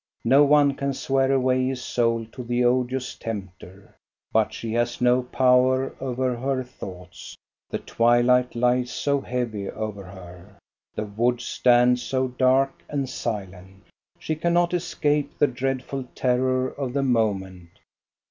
No one can swear away his soul to the odious tempter. But she has no power over her thoughts; the twilight lies so heavy over her, the woods stand so dark and silent. She cannot escape the dreadful terror of the moment.